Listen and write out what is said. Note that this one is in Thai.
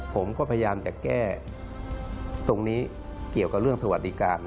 ผมก็พยายามจะแก้ตรงนี้เกี่ยวกับเรื่องสวัสดิการ